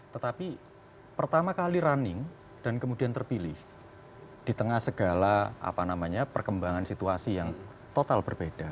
tetapi pertama kali running dan kemudian terpilih di tengah segala perkembangan situasi yang total berbeda